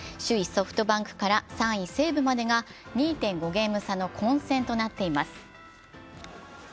ソフトバンクから３位西武までが２．５ゲーム差の混戦となっています